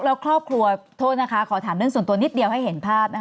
แล้วครอบครัวโทษนะคะขอถามเรื่องส่วนตัวนิดเดียวให้เห็นภาพนะคะ